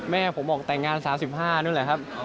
แม่ผมออกแต่งงาน๓๕นู่นแหละครับ